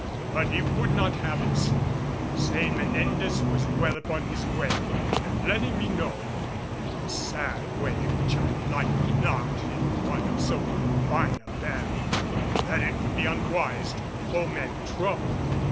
But he would not have it so, saying Menendez was well upon his way and letting me know, in a sad way which I liked not in one of so fine a bearing, that it would be unwise to foment trouble.